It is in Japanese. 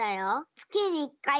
つきにいっかい！？